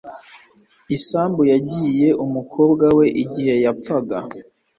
Isambu yagiye umukobwa we igihe yapfaga